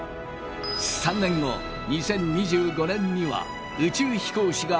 ３年後２０２５年には宇宙飛行士が月面に降り立ち